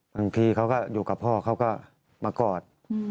บางทีเขาก็อยู่กับพ่อเขาก็มากอด